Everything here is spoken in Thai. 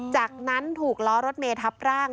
จากนั้นถูกล้อรถเมทับร่าง